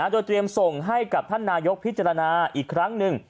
โดยเตรียมส่งให้กับท่านนายกพิจารณาอีกครั้งหนึ่ง